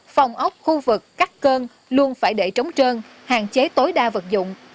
phòng ốc khu vực cắt cơn luôn phải để trống trơn hạn chế tối đa vật dụng